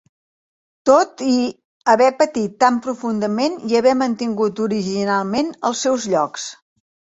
Tot i "haver patit tan profundament i haver mantingut originalment els seus llocs".